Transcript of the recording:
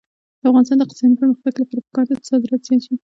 د افغانستان د اقتصادي پرمختګ لپاره پکار ده چې صادرات زیات شي.